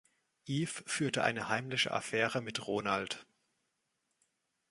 Eve führte eine heimliche Affäre mit Ronald.